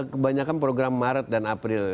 kebanyakan program maret dan april